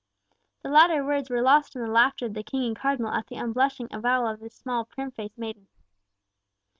The latter words were lost in the laughter of the King and Cardinal at the unblushing avowal of the small, prim faced maiden.